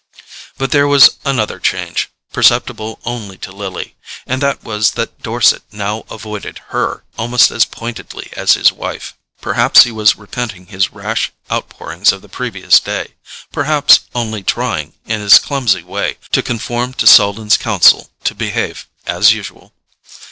But there was another change, perceptible only to Lily; and that was that Dorset now avoided her almost as pointedly as his wife. Perhaps he was repenting his rash outpourings of the previous day; perhaps only trying, in his clumsy way, to conform to Selden's counsel to behave "as usual."